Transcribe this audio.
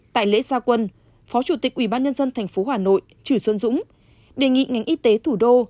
tại lễ gia quân phó chủ tịch ubnd tp hà nội trừ xuân dũng đề nghị ngành y tế thủ đô